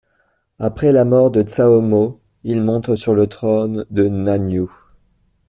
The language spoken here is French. Après la mort de Zhao Mo, il monte sur le trône de Nanyue.